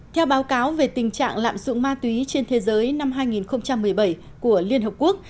theo báo cáo về tình trạng lạm dụng ma túy trên thế giới năm hai nghìn một mươi bảy của liên hợp quốc